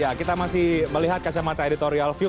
ya kita masih melihat kacamata editorial view